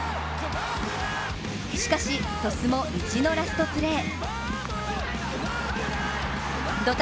しかし、鳥栖も意地のラストプレー。